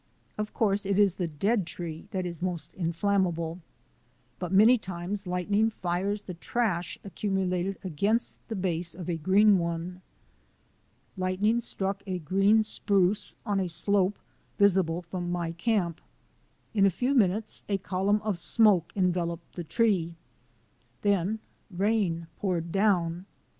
Of course it is the dead tree that is most inflammable, but many times lightning fires the trash accumulated against the base of a green tree. Lightning struck a green spruce on a slope visible from my camp. In a few minutes a column of smoke enveloped the tree. Then rain poured down.